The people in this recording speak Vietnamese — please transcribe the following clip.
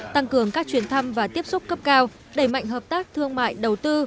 tăng cường các chuyến thăm và tiếp xúc cấp cao đẩy mạnh hợp tác thương mại đầu tư